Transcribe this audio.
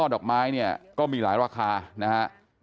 ดอกไม้เนี่ยก็มีหลายราคานะฮะ